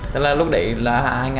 tức là lúc đấy là hai nghìn tám